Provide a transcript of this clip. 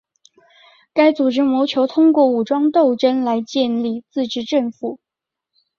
该组织谋求通过武装斗争来建立自治政府。